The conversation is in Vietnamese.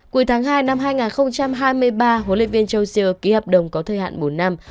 cuối tháng hai năm hai nghìn hai mươi ba huấn luyện viên châu siêu ký hợp đồng có thời hạn một năm